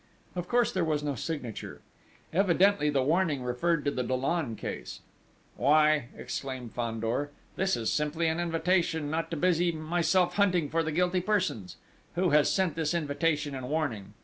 Of course there was no signature. Evidently the warning referred to the Dollon case. "Why," exclaimed Fandor, "this is simply an invitation not to busy myself hunting for the guilty persons!... Who has sent this invitation and warning?